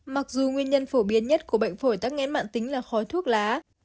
mặc dù nguyên nhân phổ biến nhất của bệnh phổi tắc nghẽn mạng tính là khói thuốc lá